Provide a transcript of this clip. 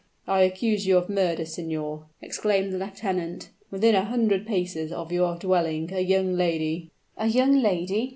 "I accuse you of murder, signor," exclaimed the lieutenant. "Within a hundred paces of your dwelling a young lady " "A young lady!"